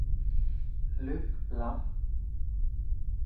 ลึกลับ